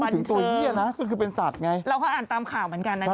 ฮ่าบันเทิมคือเป็นสัตว์ไงเราก็อ่านตามข่าวเหมือนกันนะครับ